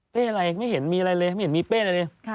อะไรไม่เห็นมีอะไรเลยไม่เห็นมีเป้อะไรเลย